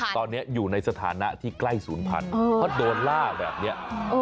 ตอนนี้อยู่ในสถานะที่ใกล้ศูนย์พันธุ์เพราะโดนล่าแบบนี้